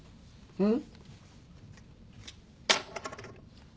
うん。